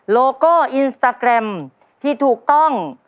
โลโก้อินสตาแกรมที่ถูกต้อง